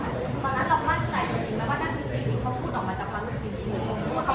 ตอนนั้นเราว่าใจกันจริงและว่านับมีสิ่งที่เขาพูดออกมาจากความรู้สึกจริง